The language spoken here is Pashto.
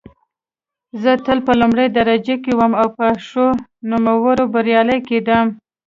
زه تل په لومړۍ درجه کې وم او په ښو نومرو بریالۍ کېدم